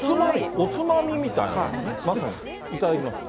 おつまみみたいな感じね、いただきます。